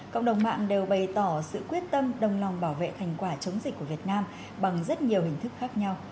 cộng đồng mạng đều bày tỏ sự quyết tâm đồng lòng bảo vệ thành quả chống dịch của việt nam bằng rất nhiều hình thức khác nhau